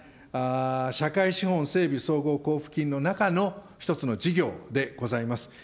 社会資本整備総合交付金の中の一つの事業でございます。